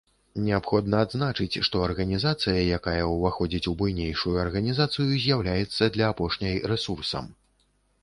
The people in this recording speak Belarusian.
Неабходна адзначыць, што арганізацыя, якая ўваходзіць у буйнейшую арганізацыю, з'яўляецца для апошняй рэсурсам.